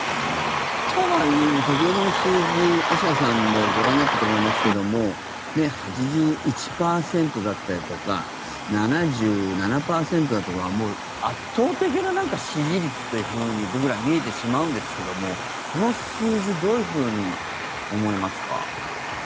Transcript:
とはいえ先ほどの数字、あしやさんもご覧になったと思いますけども８１％だったりとか７７％だとか圧倒的な支持率というふうに僕ら見えてしまうんですけどもこの数字どういうふうに思いますか？